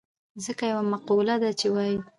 ځکه يوه مقوله ده چې وايي.